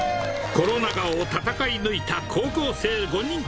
コロナ禍を戦い抜いた高校生５人。